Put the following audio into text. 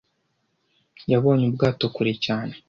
Yabonye ubwato kure cyane.